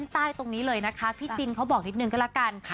ให้ตรงนี้เลยมินเค้าบอกนิดนึงก็เออกัน